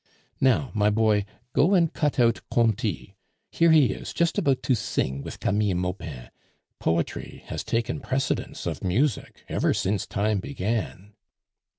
Now, my boy, go and cut out Conti. Here he is, just about to sing with Camille Maupin. Poetry has taken precedence of music ever since time began."